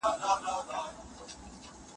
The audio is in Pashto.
د یوې مړۍ ډوډۍ پیدا کول د ډېرو ارمان دی.